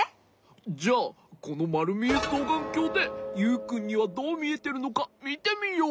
じゃこのまるみえそうがんきょうでユウくんにはどうみえてるのかみてみよう。